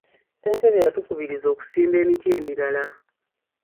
Ssentebe yatukubirizza okusimba emiti emirala.